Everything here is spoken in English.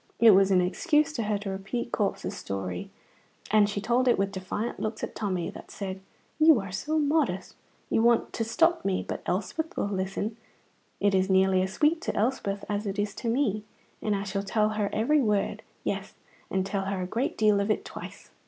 It was an excuse to her to repeat Corp's story, and she told it with defiant looks at Tommy that said, "You are so modest, you want to stop me, but Elspeth will listen; it is nearly as sweet to Elspeth as it is to me, and I shall tell her every word, yes, and tell her a great deal of it twice."